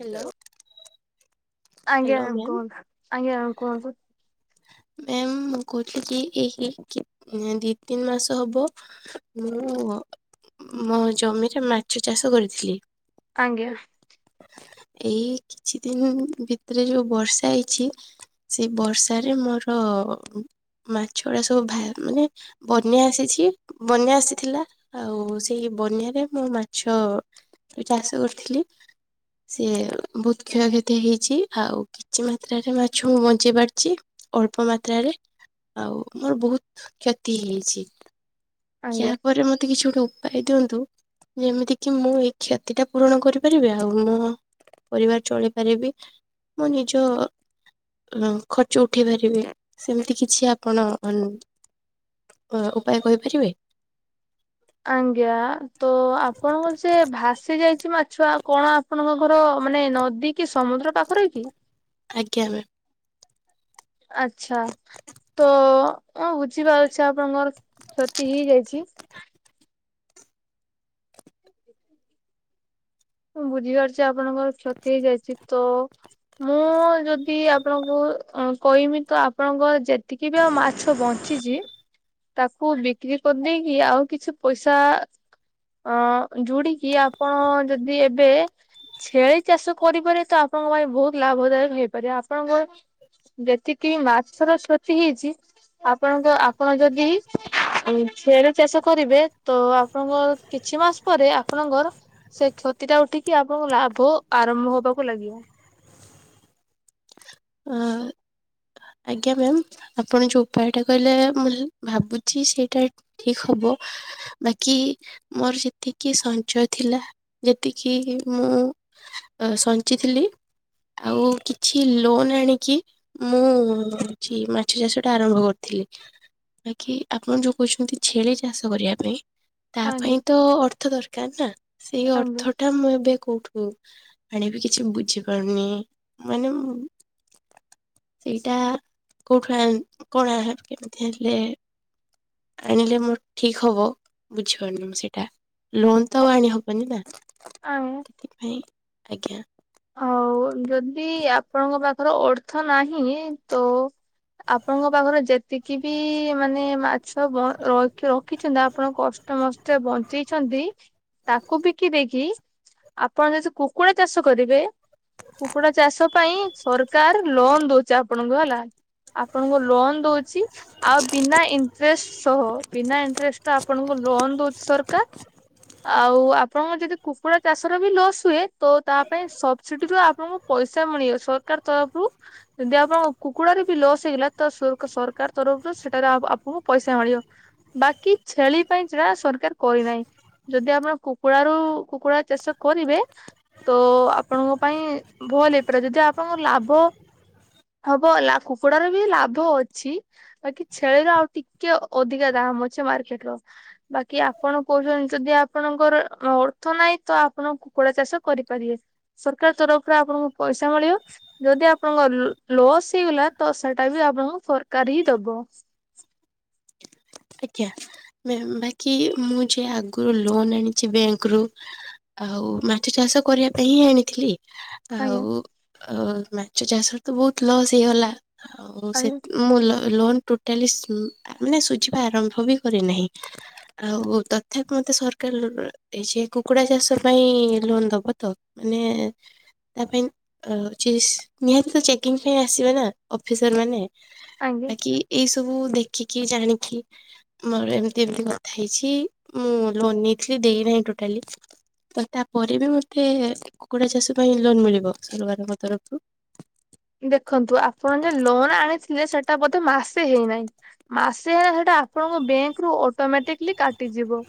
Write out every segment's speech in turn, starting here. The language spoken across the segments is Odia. ହ୍ୟାଲୋ ଆଜ୍ଞା ହ୍ୟାଲୋ ମ୍ୟାମ୍ କୁହନ୍ତୁ ଆଜ୍ଞା କୁହନ୍ତୁ। ମେମ୍ ମୁଁ କହୁଛି କି ଏହି କି ଦିଇ ତିନି ମାସ ହବ ମୁଁ ମୋ ଜମିରେ ମାଛ ଚାଷ କରିଥିଲି। ଆଜ୍ଞା। ଏଇ କିଛି ଦିନ ଭିତରେ ଯୋଉ ବର୍ଷା ହେଇଛି ସେ ବର୍ଷା ତାରେ ମୋର ମାଛ ଗଡା ସବୁ ଭା ମାନେ ବନ୍ୟା ଆସିଛି ବନ୍ୟା ଆସିଥିଲା ଆଉ ସେଇ ବନ୍ୟାରେ ମୁଁ ମାଛ ଚାଷ କରିଥିଲି ସିଏ ବହୁତ କ୍ଷୟକ୍ଷତି ହେଇଛି। ଆଉ କିଛି ମାତ୍ରାରେ ମାଛ ମୁଁ ବଞ୍ଚେଇ ପାରିଛି। ଅଳ୍ପ ମାତ୍ରାରେ ଆଉ ମୋର ବହୁତ କ୍ଷତି ହେଇଛି। ୟା ଆଜ୍ଞା। ପରେ ମତେ କିଛି ଗୋଟେ ଉ ଉପାୟ ଦିଅନ୍ତୁ ଯେମିତି କିି ମୁଁ ଏଇ କ୍ଷତି ଟା ପୂରଣ କରିପାରିବି ଆଉ ମୁଁ ପରିବାର ଚଳିପାରିବି ମଁ ନିଜ ଅ ଖର୍ଚ୍ଚ ଉଠେଇ ପାରିବେ ସେମିତି କିଛି ଆପଣ ଉଁ ଉପାୟ କହିପାରିବେ? ଆଜ୍ଞା ତ ଆପଣଙ୍କର ସେ ଭାସି ଯାଇଛି ମାଛ ଆଉ କଣ ଆପଣଙ୍କ ଘର ମାନେ ନଦୀ କି ସମୁଦ୍ର ପାଖରେ କି? ଆଜ୍ଞା ମ୍ୟାମ। ଆଚ୍ଛା। ତ ମୁଁ ବୁଝିପାରୁଛି ଆପଣଙ୍କର କ୍ଷତି ହେଇଯାଇଛି। [inaudible] ମୁଁ ବୁଝିପାରୁଛି ଆପଣଙ୍କର କ୍ଷତି ହେଇଯାଇଛି ତ ମୁଁ ଯଦି ଆପଣଙ୍କୁ କହିମି ତ ଆପଣଙ୍କ ଯେତିକି କିମ୍ବା ମାଛ ବଞ୍ଚିଛି ତାକୁ ବିକ୍ରି କରିଦେଇକି ଆଉ କିଛି ପଇସା ଅ ଯୋଡିକି ଆପଣ ଯଦି ଏବେ ଛେଳି ଚାଷ କରିପାରିବେତ ଆପଣଙ୍କ ପାଇଁ ବହୁତ ଲାଭଦାୟକ ହେଇପାରିବ ଆପଣଙ୍କ ଯେତିକି ମାଛର କ୍ଷତି ହେଇଛି। ଆପଣଙ୍କ ଆପଣ ଯଦି ଛେଳି ଚାଷ କରିବେ ତ ଆପଣଙ୍କ କିଛି ମାସ ପରେ ଆପଣଙ୍କର ସେ କ୍ଷତି ଟା ଉଠିକି ଆପଣଙ୍କ ଲାଭ ଆରମ୍ଭ ହବାକୁ ଲାଗିବ। ଆଁ ଆଜ୍ଞା ମ୍ୟାମ୍ ଆପଣ ଯେଉଁ ଉପାୟଟା କହିଲେ ମୁଁ ଭାବୁଛି ସେଇଟା ଠିକ ହବ ବାକି ମୋର ସେତିକି ସଞ୍ଚୟ ଥିଲା ଯେତିକି ମୁଁ ସଞ୍ଚିଥିଲି ଆଉ କିଛି ଲୋନ୍ ଆଣିକି ମୁଁ କିଛି ମାଛ ଚାଷ ଟା ଆରମ୍ଭ କରିଥିଲି। ବାକି ଆପଣ ଯୋଉ କହୁଛନ୍ତି ଛେଳି ଚାଷ କରିବା ପାଇଁ ତା ପାଇଁ ଆଜ୍ଞା ତ ଅର୍ଥ ଦରକାର ନା ସେଇ ଆଜ୍ଞା ଅର୍ଥ ଟା ମୁଁ ଏବେ କୋଉଠୁ ଆଣିବି କିଛି ବୁଝିପାରୁନି। ମାନେ ମୁଁ ସେଇଟା କୋଉଠୁ ଆଣ କଣ ଆଣ କେମିତି ହେଲେ ଆଣିଲେ ମୋର ଠିକ ହବ ବୁଝିପାରୁନି ମୁଁ ସେଇଟା। ଲୋନ୍ ତ ଆଉ ଆଣି ହେବନି ନା। ଆଇଁ ସେଥିପାଇଁ ଆଜ୍ଞା। ଆଉ ଯଦି ଆପଣଙ୍କ ପାଖରେ ଅର୍ଥ ନାହିଁ ତ ଆପଣଙ୍କ ପାଖରେ ଯେତିକି ବି ମାନେ ମାଛ ବ ରଖ୍ ରଖିଛନ୍ତି ଆପଣ କଷ୍ଟ ସମସ୍ତେ ବଞ୍ଚିଛନ୍ତି ତାକୁ ବିକି ଦେଇକି ଆପଣ ଯଦି କୁକୁଡା ଚାଷ କରିବେ କୁକୁଡା ଚାଷ ପାଇଁ ସରକାର ଲୋନ ଦଉଛି ଆପଣଙ୍କୁ ହେଲା। ଆପଣଙ୍କୁ ଲୋନ ଦୋଉଛି ଆଉ ବିନା ଇଣ୍ଟରେଷ୍ଟ ସହ। ବିନା ଇଣ୍ଟରେଷ୍ଟରେ ଆପଣଙ୍କୁ ଲୋନ ଦୋଉଛି ସରକାର। ଆଉ ଆପଣଙ୍କ ଯଦି କୁକୁଡ଼ା ଚାଷର ବି ଲସ୍ ହୁଏ ତ ତା ପାଇଁ ସବସିଡିରୁ ଆପଣଙ୍କୁ ପଇସା ମିଳିବ ସରକାର ତରଫରୁ ଯଦି ଆପଣଙ୍କ କୁକୁଡାରେ ବି ଲସ୍ ହେଇଗଲା ତ ସକ୍ ସରକାର ତରଫରୁ ସେଠାରେ ଆପ୍ ଆପଣଙ୍କୁ ପଇସା ମିଳିବ। ବାକି ଛେଳି ପାଇଁ ସେଟା ସରକାର କରିନାହିଁ। ଯଦି ଆପଣ କୁକୁଡାରୁ କୁକୁଡ଼ା ଚାଷ କରିବେ। ତ ଆପଣଙ୍କ ପାଇଁ ଭଲ ହେଇପାରେ ଯଦି ଆପଣଙ୍କର ଲାଭ ହବ ହେଲା କୁକୁଡାର ବି ଲାଭ ଅଛି। ବାକି ଛେଳିର ଆଉ ଟିକେ ଅଧିକା ଦାମ ଅଛି ମାର୍କେଟ ର। ବାକି ଆପଣ କହୁଛନ୍ତି ଯଦି ଆପଣଙ୍କର ଅର୍ଥ ନାହିଁ ତ ଆପଣ କୁକୁଡା ଚାଷ କରିପାରିବେ ସରକାର ତରଫରୁ ଆପଣଙ୍କୁ ପଇସା ମିଳିବ ଯଦି ଆପଣଙ୍କ ଲ ଲସ୍ ହେଇଗଲା ତ ସେଟା ବି ଆପଣଙ୍କୁ ସରକାର ହି ଦବ। ଆଜ୍ଞା ମ୍ୟମ ବାକି ମୁଁ ଯାହା ଆଗରୁ ଲୋନ ଆଣିଛି ବ୍ୟାଙ୍କରୁ ଆଉ ମାଛ ଚାଷ କରିବା ପାଇଁ ହିଁ ଆଣିଥିଲି। ଆଉ ଆଜ୍ଞା ମାଛ ଚାଷରେ ତ ବହୁତ ଲସ୍ ହେଇଗଲା ଆଉ ସେ ଆଜ୍ଞା ମୁଁ ଲୋ ଲୋନ ଟୋଟାଲି ସ୍ ମାନେ ସୁଝିବା ଆରମ୍ଭ ବି କରିନାହିଁ। ଆଉ ତଥାପି ମତେ ସରକାର ଏ ଯେ କୁକୁଡା ଚାଷ ପାଇଁ ଲୋନ ଦବ ତ? ମାନେ ତା ପାଇଁ ନିହାତି ଚେକିଂ ପାଇଁ ଆସିବ ନା ଅଫିସର ମାନେ। ଆଜ୍ଞା। ବାକି ଏଇ ସବୁ ଦେଖିକି ଜାଣିକି ମୋର ଏମିତି ଏମତି କଥା ହେଇଛି। ମୁଁ ଲୋନ ନେଇଥିଲି ଦେଇନାହିଁ ଟୋଟାଲି। ତ ତାପରେ ବି ମୋତେ କୁକୁଡା ଚାଷ ପାଇଁ ଲୋନ୍ ମିଳିବ ସରକାରଙ୍କ ତରଫରୁ? ଦେଖନ୍ତୁ ଆପଣ ଯେ ଲୋନ ଆଣିଥିଲେ ସେଟା ବୋଧେ ମାସେ ହେଇନାହିଁ। ମାସେ ହେଲା ସେଟା ଆପଣଙ୍କ ବ୍ୟାଙ୍କ ରୁ ଅଟୋମେଟିକଲି କାଟିଯିବ।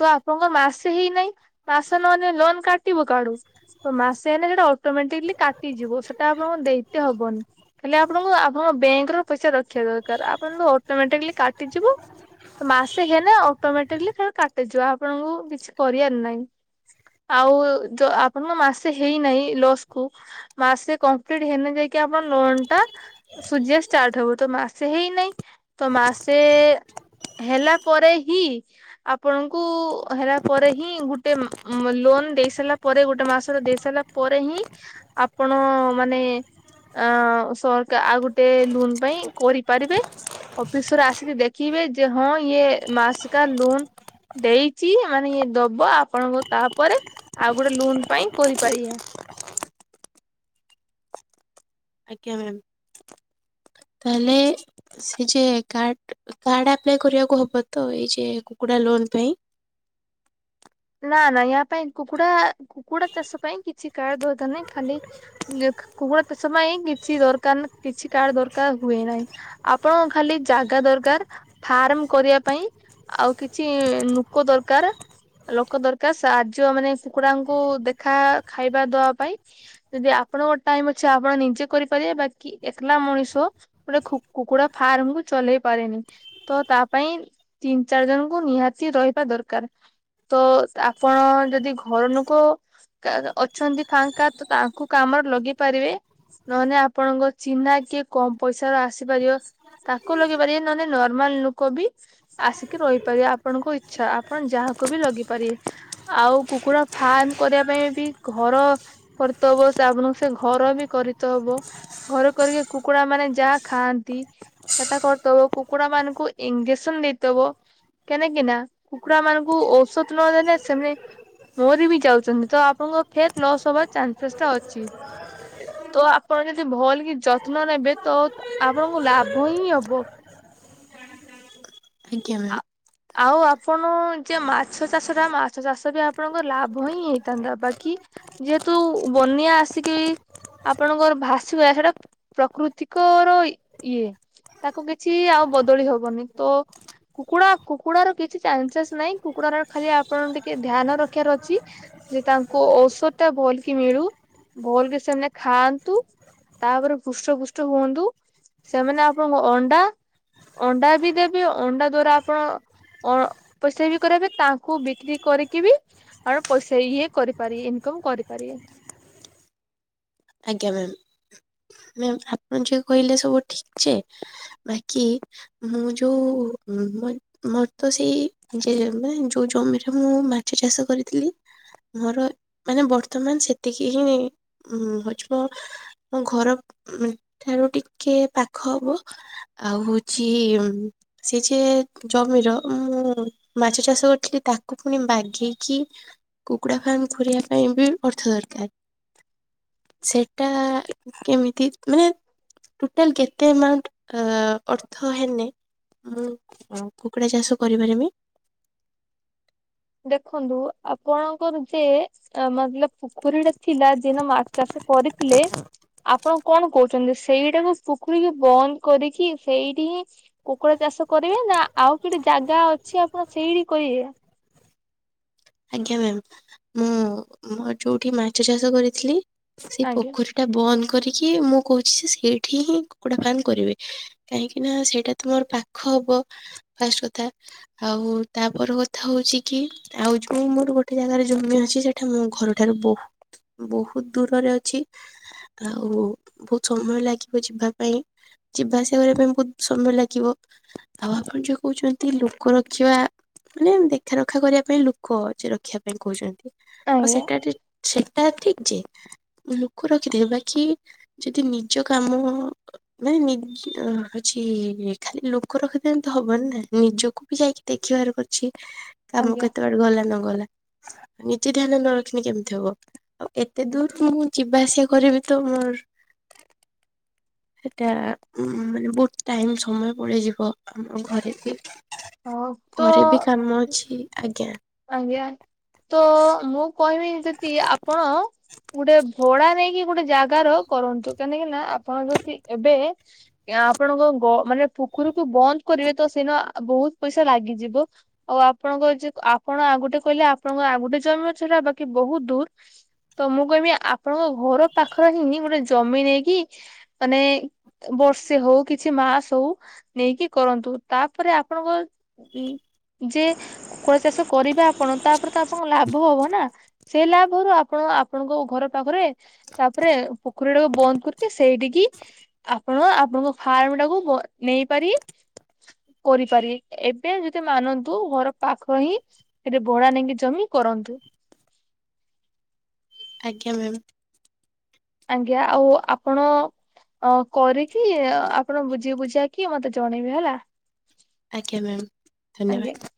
ତ ଆପଣଙ୍କ ମାସେ ହେଇନାହିଁ ମାସ ନହେଲେ ଲୋନ କାଟିବୁ କାଆଡୁ। ତ ମାସେ ହେଲେ ସେଟା ଅଟୋମେଟିକଲି କାଟିଯିବ ସେଟା ଲୋନଦେଇତେ ହବନି। ହେଲେ ଆପଣଙ୍କୁ ଆପଣଙ୍କ ବ୍ୟାଙ୍କରୁ ପଇସା ରଖିବା ଦରକାର। ଆପଣ ତ ଅଟୋମେଟିକଲି କାଟିଯିବ। ମାସେ ହେଲେ ଅଟୋମେଟିକଲି କାଟିଯିବ ଆପଣଙ୍କୁ କିଛି କରିବାର ନାହିଁ। ଆଉ ଆପଣଙ୍କ ମାସେ ହେଇନାହିଁ ଲସ୍ କୁ ମାସେ କ ମ୍ପ୍ଲିଟ୍ ହେଲେ ଯାଇକି ଆପଣ ଲୋନ୍ ଟା ସୁଜିବା ଷ୍ଟାର୍ଟ ହବ, ତ ମାସେ ହେଇନାହିଁ ତ ମାସେ ହେଲା ପରେ ହିଁ ଆପଣଙ୍କୁ ହେଲା ପରେ ହିଁ ଗୋଟେ ଲୋନ ଦେଇ ସାରିଲା ପରେ ଗୋଟେ ମାସର ଦେଇ ସାରିଲା ପରେ ହିଁ ଆପଣ ମାନେ ଅ ସରକା ଆଉ ଗୋଟେ ଲୋନ ପାଇଁ କରିପାରିବେ। ଅଫିସର ଆସିକି ଦେଖିବେ ଯେ ହଁ ଇଏ ମାସିକା ଲୋନ୍ ଦେଇଛି ମାନେ ଇଏ ଦବ ଆପଣଙ୍କୁ ତାପରେ ଆଉ ଗୋଟେ ଲୋନ୍ ପାଇଁ କରିପାରିଆ। ଆଜ୍ଞା ମ୍ୟାମ୍। ତାହେଲେ ସେ ଯେ କାର୍ଡ କାର୍ଡ ଆପ୍ଲାଏ କରିବାକୁ ହବ ତ ଏଇ ଯେ କୁକୁଡ଼ା ଲୋନ୍ ପାଇଁ? ନା ନା ୟା ପାଇଁ କୁକୁଡ଼ା କୁକୁଡା ଚାଷ ପାଇଁ କିଛି କାର୍ଡ ଡଦରକାର ନାହିଁ ଖାଲି କୁହ ସମୟ କିଛି ଦରକାର ନା କିଛି କାର୍ଡ ଦରକାର ହୁଏ ନାହିଁ ଆପଣ ଖାଲି ଜାଗା ଦରକାର ଫାର୍ମ କରିବା ପାଇଁ ଆଉ କିଛି ଲୋକ ଦରକାର। ଲୋକ ଦରକାର ସାହାଯ୍ୟ ମାନେ କୁକୁଡାଙ୍କୁ ଦେଖା ଖାଇବା ଦବା ପାଇଁ। ଯଦି ଆପଣଙ୍କ ଟାଇମ ଅଛି ଆପଣ ନିଜେ କରିପାରିବେ ବାକି ଏକଲା ମଣିଷ ଗୋଟେ କୁକୁଡା ଫାର୍ମ କୁ ଚଲେଇ ପାରେନି। ତ ତା ପାଇଁ ତିନି ଚାରି ଜଣଙ୍କୁ ନିହାତି ରହିବା ଦରକାର। ତ ଆପଣ ଯଦି ଘର ଲୋକ ଅଛନ୍ତି ଫାଙ୍କା ତ ତାଙ୍କୁ କାମରେ ଲଗେଇ ପାରିବେ। ନହେଲେ ଆପଣଙ୍କ ଚିହ୍ନା କିଏ କମ ପଇସା ର ଆସିପାରିବ। ତାକୁ ଲଗେଇ ପାରିବେ ନହେଲେ ନର୍ମାଲ ଲୋକୋ ବି ଆସିକି ରହିପାରିବେ ଆପଣଙ୍କ ଇଚ୍ଛା ଆପଣ ଯାହାକୁ ବି ଲଗେଇ ପାରିବେ। ଆଉ କୁକୁଡ଼ା ଫାର୍ମ କରିବା ପାଇଁ ବି ଘର କରିତବ ସେ ଆପଣଙ୍କୁ ସେ ଘର ବି କରିତହବ। ଘର କରିକି କୁକୁଡା ମାନେ ଯାହା ଖାଆନ୍ତି। ସେଟା କରିଦବ କୁକୁଡା ମାନଙ୍କୁ ଇଞ୍ଜେକ୍ସନ ଦେଇଥବ କେନକି ନା କୁକୁଡା ମାନଙ୍କୁ କୁ ଔଷଧ ନ ଦେଲେ ସେମ ମରି ବି ଯାଉଛନ୍ତି ତ ଆପଣଙ୍କ ଫେର ଲସ୍ ହବାର ଚାନ୍ସେସ୍ ଟା ଅଛି। ତ ଆପଣ ଯଦି ଭଲ କି ଯତ୍ନ ନେବେ, ତ ଆପଣଙ୍କୁ ଲାଭ ହିଁ ହବ। ଆଜ୍ଞା ମ୍ୟାମ୍। ଆଉ ଆପଣ ଯେ ମାଛ ଚାଷ ଟା ମାଛ ଚାଷ ବି ଆପଣଙ୍କ ଲାଭ ହିଁ ହେଇଥାନ୍ତା, ବାକି ଯେହେତୁ ବନ୍ୟା ଆସିକି ଆପଣଙ୍କର ଭାସିବ ସେଇଟା ପ୍ରକୃତିକର ଇଏ। ତାକୁ କିଛି ଆଉ ବଦଳି ହବନି ତ କୁକୁଡା କୁକୁଡାର କିଛି ଚାନ୍ସେସ୍ ନାଇଁ କୁକୁଡାର ଖାଲି ଆପଣଙ୍କ ଟିକେ ଧ୍ୟାନ ରଖିବାର ଅଛି ଯେ ତାଙ୍କୁ ଔଷଧ ଟା ଭଲ କି ମିଳୁ ଭଲକି ସେମାନେ ଖାଆନ୍ତୁ। ତାପରେ ପୃଷ୍ଟ ପୃଷ୍ଟ ହୁଅନ୍ତୁ ସେମାନେ ଆପଣଙ୍କୁ ଅଣ୍ଡା ଅଣ୍ଡା ବି ଦେବେି ଅଣ୍ଡା ଦ୍ଵାରା ଆପଣ ଅ ପଇସା ବି କରିପାରିବେ ତାଙ୍କୁ ବିକ୍ରି କରିକି ବି ଆମେ ପଇସା ଇଏ କରିପାରିବେ ଇନକମ କରିପାରିବେ। ଆଜ୍ଞା ମ୍ୟାମ, ଆପଣ ଯିଏ କହିଲେ ସବୁ ଠିକ ଯେ ବାକି ମୁଁ ଯୋଉ ନୁମ ମୋର ତ ସେଇ ଯୋଉ ଜମିରେ ମୁଁ ମାଛ ଚାଷ କରିଥିଲି। ମୋର ମାନେ ବର୍ତ୍ତମାନ ସେତିକି ହିଁ ଉ ଘର ଠାରୁ ଟିକେ ପାଖ ହବ। ଆଉ ହଉଛି ସେ ଯେ ଜମିର ମୁଁ ମାଛ ଚାଷ କରିଥିଲି ତାକୁ ପୁଣି ବାଗେଇକି କୁକୁଡ଼ା ଫାର୍ମ ଖୋଲିବା ପାଇଁ ବି ଅର୍ଥ ଦରକାର। ସେଟା କେମିତି ମାନେ ଟୋଟାଲ୍ କେତେ ଆମାଉଣ୍ଟ ଅର୍ଥ ହେଲେ ମୁଁ କୁକୁଡ଼ା ଚାଷ କରିପାରିବି? ଦେଖନ୍ତୁ ଆପଣଙ୍କର ଯେ ମତଲବ ପୋଖରୀ ଟା ଥିଲା ଯେ ମାଛ ଚାଷ କରିଥିଲେ ଆ ଆପଣ କଣ କହୁଛନ୍ତି ସେଇଟାକୁ ପୋଖରୀକୁ ବନ୍ଦ କରିକି ସେଇଠି ହିଁ କୁକୁଡା ଚାଷ କରିବେ ନା ଆଉ କିଠି ଜାଗା ଅଛି ଆପଣ ସେଇଠି କଇବେ? ଆଜ୍ଞା ମ୍ୟାମ ମୁଁ ମୋର ଯୋଉଠି ମାଛ ଚାଷ କରିଥିଲି ସେ ଆଜ୍ଞା ପୋଖରୀ ଟା ବନ୍ଦ କରିକି ମୁଁ କହୁଛି ଯେ ସେଇଠି ହିଁ କୁକୁଡା ଫାର୍ମ କରିବି। କାହିଁକି ନା ସେଇଟା ତ ମୋର ପାଖ ହବ। ଫଷ୍ଟ କଥା ଆଉ ତାପର କଥା ହଉଛି କି ଆଉ ଆଉ ମୋର ଗୋଟେ ଜାଗାରେ ଜମି ଅଛି ସେଟା ମୋ ଘରଠାରୁ ବହୁତ ବହୁତ ଦୂରରେ ଅଛି। ଆଉ ବହୁତ ସମୟ ଲାଗିବ ଯିବା ପାଇଁ। ଯିବା ଆସିବା କରିବା ପାଇଁ ବହୁତ ସମୟ ଲାଗିବ। ଆଉ ଆପଣ ଯୋଉ କହୁଛନ୍ତି ଲୋକ ରଖିବା ମାନେ ଦେଖା ରଖା କରିବା ପାଇଁ ଲ ରଖିବା ପାଇଁ କହୁଛନ୍ତି ଆଉ ଆଜ୍ଞା ସେଟା ସେଟା ଠିକ ଯେ ଲୁକ ରଖିଦିଏ ବାକି ଯଦି ନିଜ କାମ ମାନେ ନି ହଉଛି ଖାଲି ଲୋକ ରଖିଦେଲେ ତ ହବନି ନା ନିଜକୁ ବି ଯାଇକି ଦେଖିବାର ବି ଅଛି। କାମ ଆଜ୍ଞା କେତେବେଳେ ଗଲା ନ ଗଲା ନିଜେ ଧ୍ୟାନ ନ ରଖିନି କେମିତି ହବ? ଆଉ ଏତେ ଦୂର ମୁଁ ଯିବା ଆସିବା କରିବି ତ ମୋର ସେଟା ଉଁ ମାନେ ବହୁତ ଟାଇମ ସମୟ ପଳଯିବ ଆମ ଘରେ ବି ହଉ ତ ଘରେ ବି କାମ ଅଛି ଆଜ୍ଞା। ଆଜ୍ଞା ତ ମୁଁ କହିବି ଯଦି ଆପଣ ଗୋଟେ ଭଡା ନେଇକି ଗୋଟେ ଜାଗାର କରନ୍ତୁ କାହିଁକି ନା ଆପଣ ଯଦି ଏବେ ଆପଣଙ୍କ ମାନେ ପୋଖରୀକୁ ବନ୍ଦ କରିବେ ତ ସିନା ବହୁତ ପଇସା ଲାଗିଯିବ ଆଉ ଆପଣଙ୍କଚି ଆପଣ ଆଉ ଗୋଟେ କହିଲେ ଆପଣଙ୍କ ଆଉ ଗୋଟେ ଜମି ଛଡା ବାକି ବହୁତ ଦୂର ତ ମୁଁ କହିବି ଆପଣଙ୍କ ଘର ପାଖରେ ହିଁ ଗୋଟେ ଜମି ନେଇକି ମାନେ ବର୍ଷେ ହଉ କିଛି ମାସ ହଉ ନେଇକି କରନ୍ତୁ ତାପରେ ଆପଣଙ୍କ ଉ ଯେ କୌଣସି ଚାଷ କରିବେ ଆପଣ ତାପରେ ତ ଆପଣଙ୍କ ଲାଭ ହବ ନା ସେ ଲାଭରୁ ଆପଣ ଆପଣଙ୍କ ଘର ପାଖରେ ତାପରେ ପୋଖରୀଟାକୁ ବନ୍ଦ କରିକି ସେଇଠିକି ଆପଣ ଆପଣଙ୍କ ଫାର୍ମ ଟାକୁ ନେଇପାରି କରିପାରିବେ ଏବେ ଯଦି ମାନନ୍ତୁ ଘର ପାଖ ହିଁ ସେଥିରେ ଭଡା ନେଇକି ଜମି କରନ୍ତୁ। ଆଜ୍ଞା ମ୍ୟାମ୍। ଆଜ୍ଞା ଆଉ ଆପଣ। ଆ କରିକି ଆପଣ ବୁଝି ବୁଝିବା କି ମତେ ଜଣେଇବେ ହେଲା। ଆଜ୍ଞା ମ୍ୟାମ୍ ଆଜ୍ଞା। ଧନ୍ୟବାଦ।